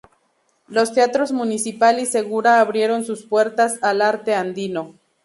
Los teatros Municipal y Segura abrieron sus puertas al arte andino.